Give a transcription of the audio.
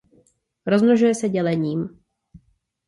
Rozmnožuje se dělením.